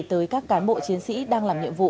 tới các cán bộ chiến sĩ đang làm nhiệm vụ